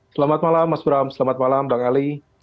selamat malam mas bram selamat malam bang ali